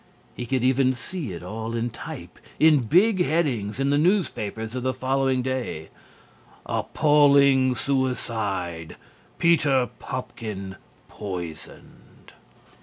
He could even see it all in type, in big headings in the newspapers of the following day: APPALLING SUICIDE. PETER PUPKIN POISONED.